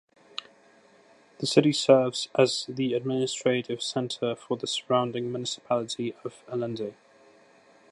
The city serves as the administrative centre for the surrounding municipality of Allende.